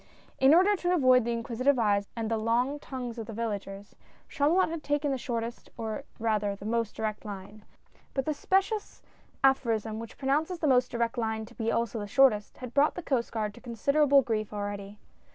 In order to avoid the inquisitive eyes and the long tongues of the villagers, Chamulot had taken the short est, or rather the most direct line. But the specious 48 GOING TO MARKET. aphorism which pronounces the most direct line to be also the shortest, had brought the Coast Guard to con siderable grief already.